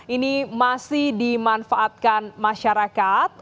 ini masih dimanfaatkan masyarakat